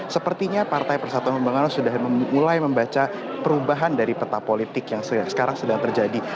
sepertinya partai persatuan pembangunan sudah mulai membaca perubahan dari peta politik yang sekarang sedang terjadi